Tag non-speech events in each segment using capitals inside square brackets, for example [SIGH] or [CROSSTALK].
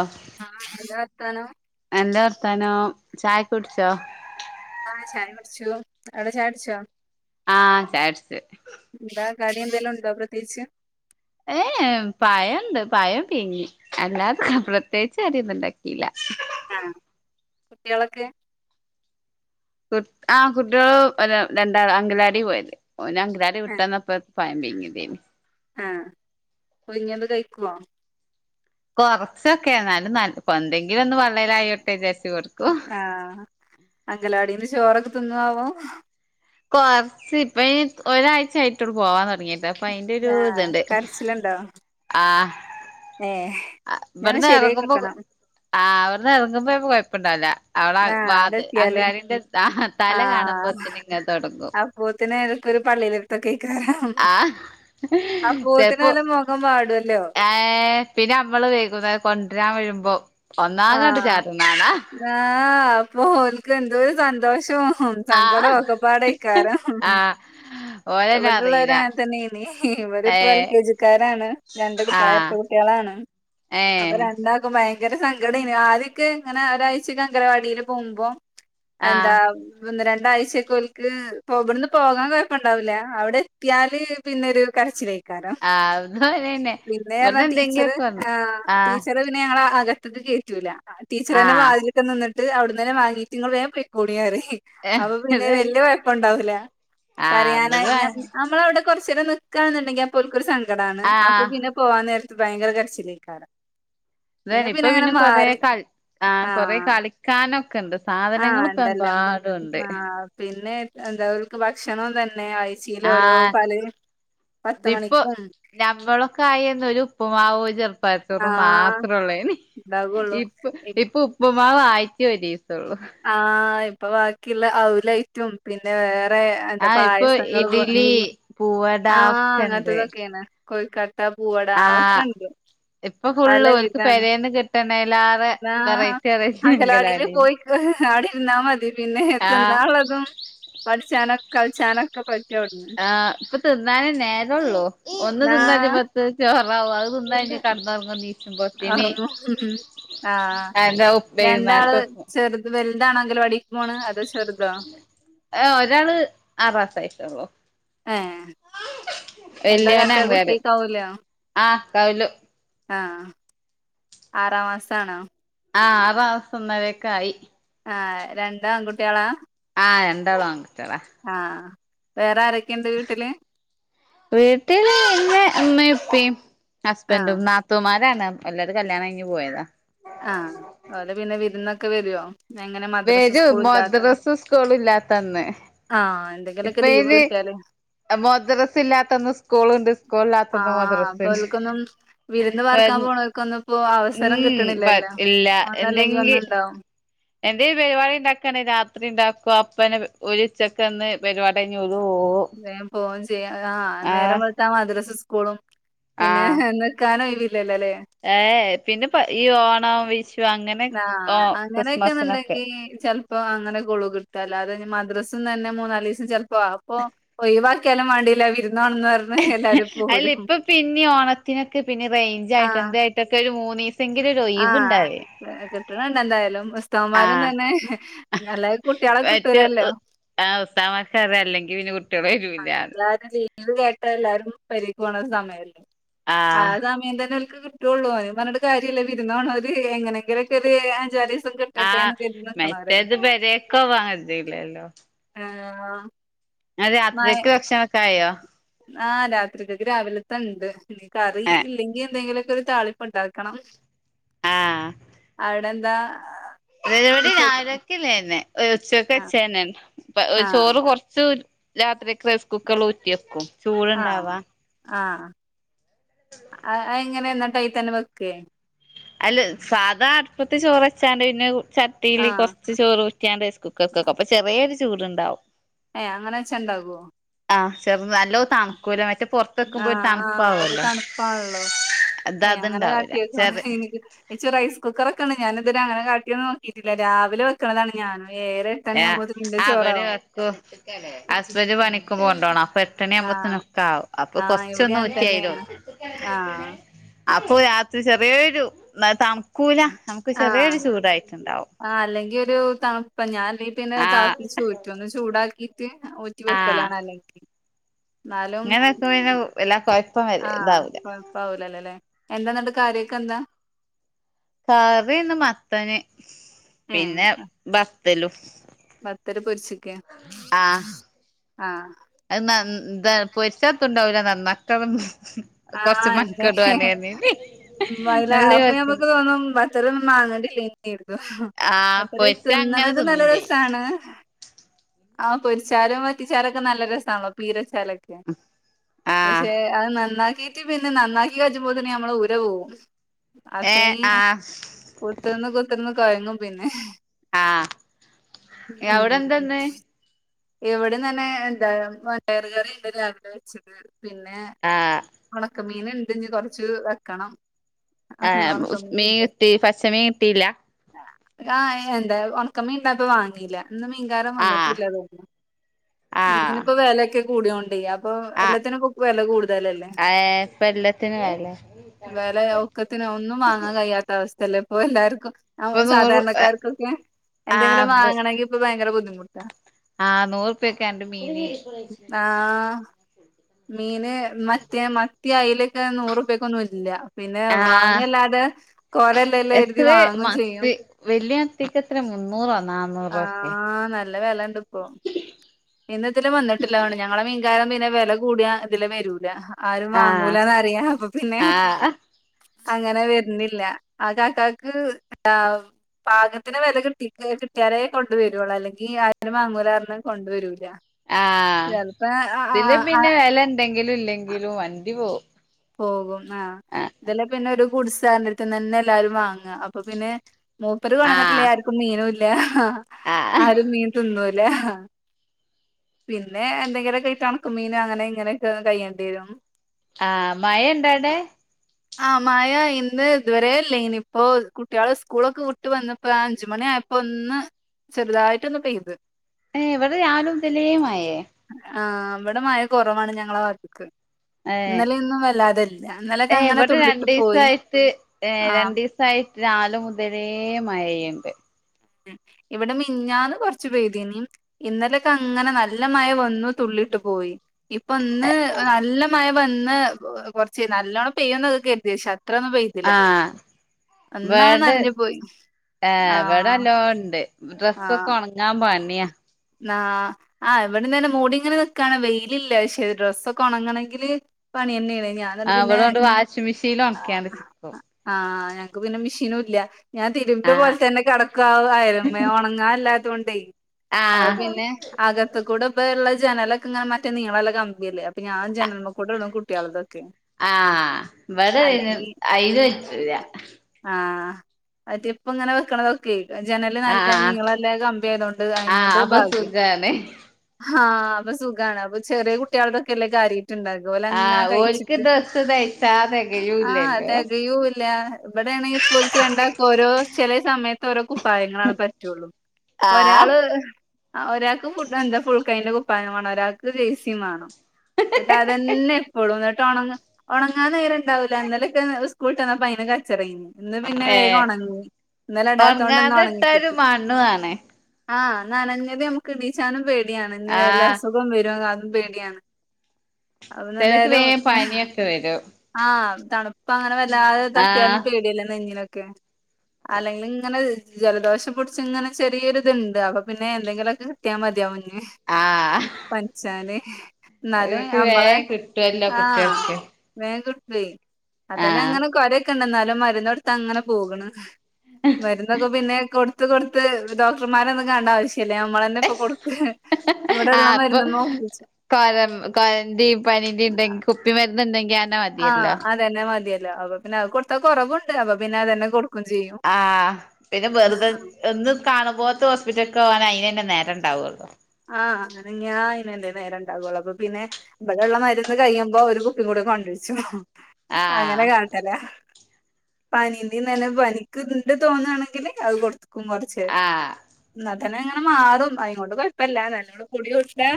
അഹ് ആഹ് എന്താ വർത്താനം നല്ലവർത്താനം ചായ കുടിച്ചോ ആഹ് ചായ കുടിച്ചു അവടെ ചായുടിച്ചോ ആഹ് ചായുടിച് എന്താ കടിഎന്തെലുണ്ടോ പ്രത്യേകിച്ച് ഏ ഏ പഴണ്ട് പഴം പിയ്ങ്ങി അല്ലാ ആ പ്രത്യേകിച്ച് കടിയൊന്നുണ്ടാക്കീല്ല ആഹ് കുട്ട്യാളൊക്കെ കുട് ആഹ് കുട്ട്യാള് ഒരാ രണ്ടാള് അങ്കലാടി പോയത് ഓന് അങ്കലാടി ആഹ് വിട്ടെന്നപ്പോ പയം പിയിങ്ങിയതേനി ആഹ് പുയ്ങ്യേത് കഴിക്കോ കൊർച്ചൊക്കെ എന്നാലും നല്ല എന്തെങ്കിലൊന്ന് പള്ളേലായോട്ടെ വിചാരിച്ച് കൊട് ആഹ് അങ്കലവാടിന്ന് ചോറൊക്കെ തിന്നോ ആവോ കൊർച്ച് ഇപ്പയ്ന് ഒരാഴ്ച്ചായിട്ടൊള്ളു പോവാൻ തൊടങ്ങീട്ട് അപ് പ്പയിന്റൊരു ആഹ് ഇത്ണ്ട് കരച്ചിലുണ്ടോ ആഹ് ഏഹ് അ ഇതൊന്ന് ഇവിട്ന്ന് ശരിയായി എറങ്ങുമ്പൊ കിട്ടണം ആഹ് ഇവിട്ന്ന് എറങ്ങുമ്പൊ ചെൽപ്പം കൊഴപ്പണ്ടാവൂല അവടെ ആഹ് അവിടെ വാത് എത്തിയാല് അങ്കലാടിന്റെ ആഹ് തല കാണുമ്പോത്തിന് ഇങ്ങനെ തൊടങ്ങും പോത്തിന് ഒരു ഒരു പള്ളേല് വെര്ത്തേയ്ക്കാരം ആഹ് ചേപ്പോ ഖം വാടു അല്ലോ ഏഹ് പിന്നെ ഞമ്മള് വൈകുന്നേരം കൊണ്ട്രാൻ വെരുമ്പോ ഒന്നാകണ്ട് ആഹ് ചാട്ണാണ ആഹ് അപ്പൊ ഓൽക്ക് എന്തോരു സന്തോഷും ആഹ് സങ്കടും ഒക്കെപ്പാടെയ്ക്കാരം ആഹ് ഓരന്നെ ഇവടെള്ളോര് അറിയില്ല അങ്ങനെ തന്നെനി ഇവരിപ്പോ എൽ ഏഹ് കെ ജിക്കാരാണ് രണ്ട് കുട്ട്യാള് ആഹ് എരട്ട കുട്ട്യാളാണ് അപ്പൊ ഏഹ് രണ്ടാക്കും ഭയ ഭയങ്കര സങ്കടേനി ആദ്യൊക്കെ ഇങ്ങനെ ഒരാഴ്ചക്കേ അങ്കനവാടിയില് പോകുമ്പോ ആഹ് എന്താ ഒന്ന് രണ്ടാഴ്ച്ചൊക്കെ ഓൽക്ക് ഇപ്പൊ ഇവിടുന്ന് പോവാൻ കൊഴപ്പ ണ്ടാവൂല അവിടെ എത്തിയാല് പിന്നെ ഒരു കരച്ചിലായി ക്കാരം ആഹ് അവിടുന്ന് ഓരന്നെ പിന്നേറഞ്ഞാ ഇവിടുന്ന് ടീച്ചറ് എന്തെങ്കിലൊക്കെ വന്ന് ഏഹ് ആഹ് ടീച്ചറ് പിന്നെ ഞങ്ങള അകത്ത്ക് കേറ്റൂല ടീച്ചർന്നെ ആഹ് വാതിൽക്കെ നിന്നി ട്ട് അവിടന്നെ വാങ്ങീയിട്ട ഇങ്ങള് വേൻ പോയ്ക്കോളി പറയും ആഹ് അപ്പൊ പിന്നെ വല്ല്യ കൊഴപ്പം ഇണ്ടാവില്ല കരയാനായി ഇവല് നമ്മളവിടെ കുറച്ച് നേരം നിക്കാണെന്നുണ്ടെങ്കില് അപ്പോ ഓൽക്കൊരു സങ്കടാണ് അപ്പൊ ആഹ് പിന്നെ പോവാൻ നേരത്ത് ഭയങ്കര കരച്ചിലേക്കരാം അതന്നെ ഇപ്പൊ പിന്നെ കൊറെ കളി ആഹ് കൊറേ കളി കാനൊക്കെണ്ട് ആഹ് സാധനങ്ങളും ഇപ്പം ഇണ്ടല്ലോ പെമ്പാടുണ്ട് ആഹ് പിന്നെ എന്താ ഭക്ഷണം തന്നെ ആഴ്ച്ചയില് ഓരോ ആഹ് പല പത്ത് മണിക്കും ഞമ്മളൊക്കെ ആയിന്നൊരു ഉപ്പുമാവോ ചെറുപയംച്ചോറും ആഹ് മാത്രൊം ഒള്ളേനി ഇണ്ടാകൊള്ളൂ ഈ ഇപ് ഇപ്പൊ ഉപ്പ് മാവ് ആഴ്ച്ചേൽ ഒരീസൊള്ളൂ ആഹ് ഇപ്പൊ ബാക്കിയുള്ള അവലായിട്ടും പിന്നെ വേറെ എന്താ ആഹ് ഇപ്പൊ പായസങ്ങളും ഇഡ്ലി പൂവട ആഹ് ഒക്കെ അങ്ങനത്തെ ഉണ്ട് ഇതൊക്കെയാണ് കൊയ്ക്കട്ടാ പൂവട ആഹ് ഒക്കെണ്ട് ഇപ്പൊ ഫുള്ള് ഓരുക്ക് പെരേന്ന് കിട്ടണെൽ ആറ് വെറൈറ്റി വെറൈറ്റി [UNINTELLIGIBLE] ആടിരുന്നാ മതി പിന്നെ ആഹ് തിന്നാള്ളതും പഠിച്ചാനൊ കളിച്ചാനൊക്കെ പറ്റു ആഹ് ഇപ്പൊ തിന്നാനെ നേരള്ളൂ ഒന്ന് ന്നാ തിന്നഴിയുമ്പോ ചോറാവും അത് തിന്നയ്ഞ്ഞ് [UNINTELLIGIBLE] ഉറങ്ങുന്നു ആഹ് അന്റെ രണ്ടാള് വൈകുന്നേരത്തെക്കും ചെറു വലുതാണോ അങ്കണവാടിക്ക് പോണ അതോ ചെറുതോ. ആഹ് ഒരാള് ആറാസായിട്ടൊള്ളു ആഹ് എന്താ വല്യോന് കാട്ട അംഗൻവാടി കുട്ടിക്കാവൂലോ ആഹ് കൗലു ആഹ് ആറാം മാസാണോ ആ ആറാവസന്നരൊക്കെ ആയി ആഹ് രണ്ട് ആൺകുട്ടികളാ ആഹ് രണ്ടാളും ആൺ കുട്ടികളാ ആഹ് വേറെ ആരൊക്കെ ഇണ്ട് വീട്ടില് വീട്ടില് ഇൻ്റെ അമ്മേം ഇപ്പേം ആ ഹസ്ബൻ്റും നാ തുമാലാണ് എല്ലാരും കല്യാണം കയിഞ്ഞ് പോയതാ ആഹ് അത് പിന്നെ വിരുന്നൊക്കെ വരുവോ എങ്ങനെ മദ്രസ വെരും സ്കൂൾ മദ്രസ്സ സ്കൂള് ഇല്ലാത്തന്നെ ആഹ് എന്തേ ഇപ്പൊ ഇന് മദ്രസ്സ ഇല്ലാത്ത ഒന്ന് സ്കൂളുണ്ട് സ്കൂൾ ഇല്ലാത്തന്ന് ആഹ് അപ്പൊ മദ്രസുണ്ട് അവക്കൊന്നും വിരുന്ന് പാർക്കാൻ പോണവക്കൊന്നും ഇപ്പോ അവസരം ഉം കിട്ടണില്ലല്ലോ ഒന്നല്ലെങ്കി ഒന്നുണ്ടാവും എന്റെ ഈ പരിപാടി ഇണ്ടാക്കാണ് രാത്രി ഇണ്ടാക്കുവ അപ്പന ഒരിച്ചക്കന്ന് പരിപാടി കഴിഞ്ഞ് പോവും വേഗം പോവേം ചെയ്യ ആഹ് നേരം വെളുത്താ മദ്രസ്സ സ്കൂളും പിന്നെ ആഹ് എ ക്കാനോ ഒയ് വില്ലല്ലേ ഏഹ് പിന്നെ ഈ ഓണം വിശു അങ്ങനെ ആ ഓ ക്രിസ്മസിനൊക്കെ അങ്ങനെയൊക്കെന്നുണ്ടെങ്കി ചെ ഇപ്പൊ അങ്ങനെ ഗുളു കിട്ടുക അല്ലാതെ മദ്രസും തന്നെ മൂന്നാലീസം ചെലപ്പോ അപ്പൊ ഒയ് വാക്കിയാലും വേണ്ടില്ല വിര്ന്നോണന്ന് പർഞ് അല്ല ഇപ്പൊ പിന്നിം ഓണത്തിനൊക്കെ പിന്നെ റേഞ്ച് ആയിട്ട് ആഹ് എന്തായിട്ടൊക്കെ ഒരു മൂന്നീസ സെങ്കി [UNINTELLIGIBLE] ആഹ് കിട്ട്ണ് ണ്ട് എന്തായാലും ഉസ്താവുമാരും ആഹ് തന്നെ അല്ലാതെ കുട്ടിയാളെ മറ്റ് കിട്ടൂലല്ലോ ആഹ് ഉസ്താദ്മാര്ക്കറിയാ അല്ലെങ്കിൽ പിന്നെ കുട്ടിയാള് വരൂല്ലാന്ന് എല്ലാരും ലീവ് കേട്ട എല്ലാരും പെരീക്ക് പോണ സമയല്ലേ ആ ആഹ് സമയം തന്നെ ഓൽക്ക് കി ട്ടൊള്ളൂ ഓലെ പർഞ്ഞ്ട്ട് കാര്യല്ല വിര്ന്നോണോല് എങ്ങനെങ്കിലൊക്കെ ഒരു അഞ്ചാറീ ആഹ് മറ്റേത് പരേക്കോവാൻ കജ്ജൂല്ലല്ലോ ആഹ് [UNINTELLIGIBLE] മയ രാത്രിയ്ക്ക് ഭക്ഷണം ഒക്കായോ ആഹ് രാത്രിക്കക്ക് രാവിലത്ത ഇണ്ട് ഇനി കറി ഏഹ് ഇല്ലെങ്കി എന്തെങ്കിലൊക്കെ ഒരു താളിപ്പ് ഇണ്ടാക്കണം [UNINTELLIGIBLE] ആഹ് അവിടെന്താ ഇപടി രാവിലെക്ക്ല്ലേന്നെ ഉച്ചക്ക് ആഹ് വെച്ചന്നെ ഇണ്ട് ഇപ്പ ആഹ് ചോറ് കൊർച്ച് രാത്രിക്ക് റൈസ് കുക്കർല് ഊറ്റി വെക്കും ആഹ് ചൂട്ണ്ടാവാ ആഹ് അയ് എങ്ങനെ ഇന്നട്ടയിതന്നെ വെക്കേ അല്ല സാധാ അട്പ്പത്ത് ചോറ് വച്ചാണ്ട് പിന്നെ ചട്ടിയില് കൊ ആഹ് ർച്ച് ചോറ് ഊറ്റിയാണ്ട് റൈസ് കുക്കർക്കെക്കും അപ്പൊ ചെറിയൊരു ചൂട്ണ്ടാവും ഏഹ് അങ്ങനെ വെച്ചാ ഇണ്ടാകോ? ആഹ് ചെർ നല്ലോ തണ്കൂല മറ്റേ പൊർത്ത് ആഹ് ആഹ് ഒരു തണുപ്പാണല്ലോ ഇത് ഏഹ് അങ്ങനെ അതുണ്ടാവൂല കാട്ടിയൊക്കെ ചെറി എനിക്ക് ഇച്ച് റൈസ് കുക്കറ് ഒക്കെണ്ട് ഞാന് ഇതരെ അങ്ങനെ കാട്ടിയൊന്ന് നോക്കിയിട്ടില്ല രാവിലെ വെക്ക്ണതാണ് ഞാനും വേറെ പത്തണി ആ ആവുമ്പോത്തിന് ഇൻ്റെ അവര് ചോറാവും വെക്കൂ ഹസ്ബൻഡ് പണിക്ക് പോകുമ്പൊ കൊണ്ടോണം അപ്പ പത്തണി ആഹ് ആവുമ്പോത്ത്നൊക്കാവും അപ്പൊ ആഹ് ഇവിടേം കൊർച്ചൊന്ന് ഒര്ക്കിയേരും അങ്ങൻതന്നേണ് ആഹ് അപ്പൊ രാത്രി ചെറിയൊരു തൺക്കൂല നമുക്ക് ആഹ് ചെറിയൊരു ചൂടായിട്ടുണ്ടാവും ആഹ് അല്ലെങ്കിൽ ഒരു തണുപ്പ ഞാൻ അല്ലങ്കി പിന്നെ ആ തളപ്പിചൂറ്റു ഒന്ന് ചൂടാക്കി ഊറ്റി വെക്കലാണ് അല്ലെങ്കി ന്നാലും ഇങ്ങനെ [UNINTELLIGIBLE] ആഹ് കൊഴപ്പാവൂലല്ലേ ല്ലെ എന്താന്നട്ട് കാറിയൊക്കെ എന്താ കറി ഇന്ന് മത്തന് ഏഹ് പിന്നെ ബത്തലും ബത്തല് പൊര്ച്ച്‌ക്കേ ആഹ് ആഹ് അത് നന്ന് താണ് പൊര്ച്ചാ എത്തുണ്ടാവൂല നന്നാക്കണം ആഹ് കൊറച്ച് അയന്നെ മെനക്കെടുവാണ് പറഞ്ഞ് [UNINTELLIGIBLE] നല്ല അപ്പൊ നമ്മുക്ക് തോന്നും ഇത്ര ഒന്നും മാങ്ങണ്ടില്ലേനീ ന്ന് ആ കര്തും [UNINTELLIGIBLE] പൊരിച്ച അങ്ങനെ തിന്ന്ണത് നല്ല തിന്നും ചെയ്യും രസാണ് ആഹ് പൊര്ച്ചാലും വറ്റിച്ചാലൊക്കെ നല്ല രസാണോ പീരച്ചാലൊ ആഹ് പക്ഷെ അത് നന്നാക്കിട്ട് പിന്നെ നന്നാക്കി കജ്ജ്പ്പോത്തിന് നമ്മളെ ഊര പോവും ഏ അത്രീം ആഹ് കുത്തര്ന്ന് കുത്തര്ന്ന് കൊഴ്ങ്ങും പിന്നെ ആഹ് അവ്ടെ എന്തെന്ന് ഇവിടി തന്നെ എന്താ പയർ കറിണ്ട് രാവിലെ വെച്ചത് പിന്നെ ആഹ് ഉണക്ക മീൻ ഒണ്ട് ഇനി കൊറച്ച് വെക്കണം ആഹ് മീൻ ഒണക്കമീന്ണ്ട്. കിട്ടി പച്ച മീൻ കിട്ടിയില്ല ആഹ് എന്താ ഉണക്കമീൻ ഇണ്ട് അത് വാങ്ങിയില്ല ഇന്ന് മീൻകാരാൻ വന്നിട്ടും ആഹ് ഇല്ല തോന്നുന്നു മീങ്ങിന് ആഹ് ഇപ്പോ വെലയൊക്കെ കൂടിയോണ്ടെ - അപ്പൊ എല്ലാത്തിനും ഇപ്പൊ വെല കൂടുതലല്ലേ എയെ ഇപ്പ എല്ലാത്തിനും വെല വെല ഒക്കത്തിന് ഒന്നും വാങ്ങാൻ കഴിയാത്ത- അവസ്ഥയല്ല ഇപ്പോ എല്ലാവർക്കും ഇപ്പൊ നൂറ് സാധാരണക്കാർക്കൊക്കെ എന്തെങ്കിലും ആഹ് വാങ്ങണമെങ്കിൽ- ഇപ്പ ഭയങ്കര ബുദ്ധിമു - ആഹ് നൂറു റുപ്പിയാ ഒക്കെ ആണ്ട് മീന് ആഹ് മീന് മറ്റേ മത്തി അയിലക്കെ നൂറ് റുപ്പിയക്ക്‌ ഒന്നും ഇല്ല പിന്നെ ആഹ് വാങ്ങിയല്ലാതെ കൊറെ [UNINTELLIGIBLE] ല്ലല്ലാം കരുതി വാങ്ങും ചെയ്യും വലിയ മത്തിക്ക് എത്ര മുന്നൂറ് നാല് - ആഹാ നല്ല വിലയിണ്ട് ഇപ്പോ ഇന്ന് ഇതില് വന്നിട്ടില്ല അതുകൊണ്ട് ഞങ്ങളെ മീൻകാര് പിന്നെ വില കൂടിയ ഇതില് വരൂല ആരും ആഹ് വാങ്ങൂലാന്നറിയാം അപ്പൊ പിന്നെ- ആഹ് അങ്ങനെ വരുന്നില്ല ആ കാക്കക്ക് ആ - പാകത്തിന് വെല കിട്ടി കിട്ടിയാരേ കൊണ്ട് വരുളൂ അല്ലെങ്കിൽ ആരും വാങ്ങൂലാന്ന് പറഞ് കൊണ്ട് വരൂ അാ [UNINTELLIGIBLE] ആഹ് ഇതില് ആ പിന്നെ വെല ഇണ്ടങ്കിലും ഇല്ലെങ്കിലും വണ്ടി പോവും പോകും ആഹ് ഇതെല്ലാം പിന്നെ ഒരു കുടിസുകാരന്റെ അടുത്ത് തന്നെ എല്ലാരും വാങ്ങുക അപ്പൊ പിന്നെ- മൂപ്പര് വരണന്നിട്ടില്ലേ ആഹ് ആർക്കും മീനും ഇല്ല ആ ആഹ് ആരും മീൻ തിന്നുയില്ല പിന്നെ എന്തെങ്കിലുമൊക്കെ ഇട്ട് ഒണക്ക മീനും അങ്ങനെ ഇങ്ങനെ ഒക്കെ കഴിയേണ്ടി വരും ആഹ് മയുണ്ടോ അവിടെ ആഹ് മയ ഇന്ന് ഇതുവരെ ഇല്ലേന്ന് ഇപ്പോ കുട്ടികള് സ്കൂളൊക്കെ വിട്ട് വന്നപ്പോഴാ അഞ്ച് മണിയ- ഒന്ന് ചെറുതായിട്ടൊന്ന് പെയ്ത് ഏയെ ഇവിടെ രാവിലെ മുതലേ മയയാ ആഹ് ഇവിടെ മഴ കൊറവാണ് ഞങ്ങള ഭാഗതിക്ക് ഇന്നലെ ഇന്നും വല്ലാതെ ഇല്ല ഇന്നലെ- ഏ ഇവിടെ രണ്ട് ദിവസയിട്ട് ഏ ആഹ് രണ്ട് ദിവസ- വായിട്ട് രാവിലെ മുതലേ മഴയുണ്ട് ഇവിടെ മിഞ്ഞാന്ന് കൊറച്ചു പേയ്തീനെ ഇന്നലെയൊക്കെ അങ്ങനെ നല്ല മഴ വന്നു തുള്ളിട്ട് പോയി ഇപ്പ ഒന്ന് നല്ല മഴ- വന്ന് കൊറച്ച് നല്ലോണ്ണം പെയ്യുന്ന കരുതിയെ പക്ഷേ അത്ര ഒന്ന് പെയ- ആഹ് ഇവിടെ നനഞ്ഞു പോയി. ആ ഇവിടെ ആഹ് നല്ലോണം ഉണ്ട് ഡ്രസ്സൊക്കെ ഒണങ്ങാൻ പണിയാ എന്നാ ആ ഇവിടെയും തന്നെ മൂടി അങ്ങനെ നിക്കാണ് വെയിലില്ല പക്ഷെ ഡ്രസ്സൊക്കെ ഒണങ്ങണെങ്കില്- പണി തന്നെയാണ് ഞാൻ എന്നിട്ട് ആ പിന്നെ അവിടാണ്ട് വാഷിംഗ് മെഷീനിൽ ഒണ്ക്കാണ് ആഹ് ഞങ്ക് പിന്നെ മെഷീനുല്ല ഞാൻ തിരിമ്പിയ പോൽ ആഹ് തന്നെ ക്കാതയലി [UNINTELLIGIBLE] മ്മേ ഒണങ്ങാൻ ല്ലാത്തോണ്ടേ അത് ആഹ് പിന്നെ- അകത്ത് കൂടെ ഇപ്പ ഉള്ളെ ജനലൊക്കെ അങ്ങനെ മറ്റേ നീളല്ല കമ്പിയല്ലേ അപ്പ ഞാൻ ജനൽമേ ക്കൂടിടും കുട്ടിയോൾടെ ഒക്കെയേ ആഹ് ഇവടെ അയ്ന് അയ്ന് പറ്റൂല ആഹ് മറ്റേ ഇപ്പ അങ്ങനെ വെക്കണതൊ ഒക്കേ ജനല് നല്ല ആഹ് നീളയുള്ള കമ്പിയതോണ്ട് അത് ആഹ് കൊണ്ട് അപ്പൊ ഭാഗ്യം സുഖാണ് ഹാ അപ്പ സുഖാണ് അപ്പ ചെറിയ കുട്ടികൾക്കൊക്കെയല്ലേ കാര്യായായിട്ട് ഉള്ളെ ഇത് പോലങ്ങന ആഹ് ഓൽക്ക് കഴിച്ചിട്ട് ഡ്രസ്സ് തയ്ച്ചാ ആഹ് തെകയൂല്ലല്ലോ തെകയൂല്ല ഇവടേണെങ്കി ഇപ്പോൽക്ക് രണ്ടാക്കു ഓരോ ചെലെ സമയത്ത് ഓരോ കുപ്പായങ്ങളാണ് പറ്റോള്ളു ആഹ് ഒരാള് ആഹ് ഒരാക്ക് ഫു എന്ത ഫുൾക്കൈയ്യിന്റെ കുപ്പായം വാണം ഒരാക്ക് ജെയ്സിം മാണം ഇന്ന്ട്ടത് തന്നെ എപ്പളും ഇന്ന്ട്ടൊണ ഒണങ്ങാൻ നേരണ്ടാവൂല ഇന്നലെക്കെ സ്കൂൾട്ട്ന്നപ്പൊ ഭയങ്കര കച്ചറേനു ഇന്ന് പിന്നെ ഏ വേഗം ഒണങ്ങി ഇന്നലെ ഇടാത്തോണ്ട് ഇന്ന് ഉറങ്ങാതെട്ട ഒരു ഒണങ്ങിക്കിട്ടി മണ്ണു ആണ് ആഹ് നനഞ്ഞത് ഞമ്മക്ക് ഇടീച്ചാനും പേട്യാണ് ഇഞി വല്ല ആഹ് അസുഖൊം വരൊ അതും പേട്യാണ് ചിലർക്ക് അതോണ്ടെന്തായലും വേഗം പനിയൊക്കെ വരും ആഹ് തണുപ്പങ്ങനെ വല്ലാതെ ആഹ് തട്ട്യാലും പേട്യല്ലെ നെഞ്ഞിനൊക്കെ അല്ലെങ്കിലു ഇങ്ങനെ ജലദോഷം പുടിച്ച് ഇങ്ങനെ ചെറിയൊരിത്ണ്ട് അപ്പൊ പിന്നെ എന്തെങ്കിലൊക്ക കിട്ട്യാ മത്യാവു ഇഞി ആഹ് പൻച്ചാന് ഇന്നാലും ഓര്ക്ക് നമ്മളെ വേഗം കിട്ടുവല്ലോ ആഹ് കുട്ടികൾക്ക് വേം കിട്ട്യൊയ് ആഹ് അതന്നങ്ങനെ കൊരൊക്കണ്ട് ഇന്നാലും മര്ന്നൊട്ത്ത അങ്ങനെ പോക്ണ് മര്ന്നൊക്കെ പിന്നെ കൊട്ത്ത് കൊട്ത്ത് ഡോക്ടർമാരെന്നും കാണണ്ട ആവശ്യ ല്ല നമ്മളെന്നെ ഇപ്പൊ കൊടുക്ക ഇവടള്ള മര്ന്ന്മ്മെ ഒപിച്ചും കരം കൊരന്റിം പനിന്റെ ഇണ്ടെങ്കി കുപ്പി മരുന്ന് ഇണ്ടെങ്കി അയന്നെ മതി ആഹ് അതന്നെ മത്യല്ലൊ അപ്പ പിന്നെ അഹ് കൊട്ത്ത കൊറവ്‌ണ്ട് അപ്പൊ പിന്നെ അതന്നെ കൊടു ആഹ് പിന്ന വെർതെ ഒന്ന് കാണുമ്പോത്ത് ഹോസ്പിറ്റൽ ക്കോവാന് അയ്നെന്നെ നേരണ്ടാവൊള്ളു ആഹ് അനങ്യാ അയ്നെന്നെ നേരണ്ടാവൊള്ളു അപ്പൊ പിന്നെ ഇബടെള്ള മര്ന്ന് കഴിയുമ്പൊ ഒരു കുപ്പിം കൂടെ കൊണ്ട്രിച്ചും അങ്ങന ആഹ് കാട്ടല പനിന്റിം തന്നെ പനിക്ക് ഇണ്ട് തോന്നാണെങ്കില് അഹ് കൊടുക്കും കൊർച്ച് ആഹ് ഇന്നാ തന്നെ ഇങ്ങനെ മാറും അയ്നോണ്ട് കൊഴപ്പല്ല നല്ലോണം പൊടി കൊട്ത്ത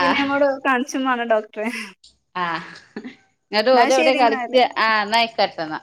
പിന്നെ അങ്ങോട് കാണ്ച്ചും മാണം ഡോക്ട്രെ ആഹ് ഇന്ന്ട്ട് ഓരെവ്ടെ ശരി എന്നാല് കളിക്ക ആഹ് ഇന്നയ്കോട്ടെ ഇന്ന